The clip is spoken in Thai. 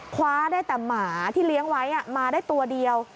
คว้าได้แต่หมาที่เลี้ยงไว้มาได้ตัวเดียว